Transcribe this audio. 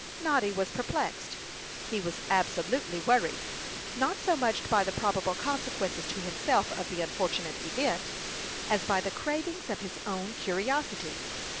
Noddy was perplexed; he was absolutely worried, not so much by the probable consequences to himself of the unfortunate event, as by the cravings of his own curiosity.